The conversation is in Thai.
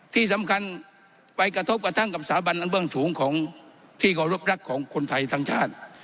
ที่สำคัญไปกระทบกระทั่งกับสถาบันอันเบื้องสูงของที่เคารพรักของคนไทยทั้งชาติ